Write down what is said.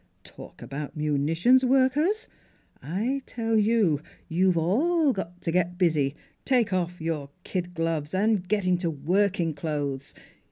Talk about munitions workers! I tell you you've all got t' get busy take off your kid gloves an' get into working clothes!